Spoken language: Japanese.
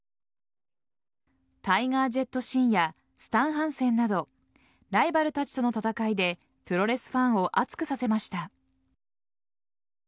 タイガー・ジェット・シンやスタン・ハンセンなどライバルたちとの戦いでプロレスファンを熱くさせました。